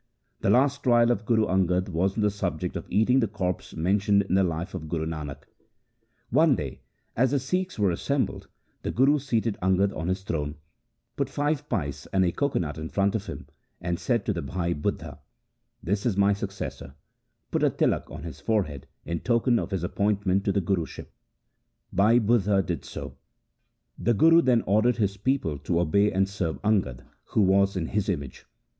The last trial of Guru Angad was on the subject of eating the corpse mentioned in the Life of Guru Nanak. One day, as the Sikhs were assembled, the Guru seated Angad on his throne, put five pice and a coco nut in front of him, and said to Bhai Budha, ' This is my successor ; put a tilak on his forehead in token of his appointment to the Guruship.' Bhai Budha did so. The Guru then ordered his people to obey and serve Angad, who was in his image.